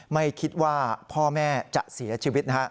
ไม่คิดว่าพ่อแม่จะเสียชีวิต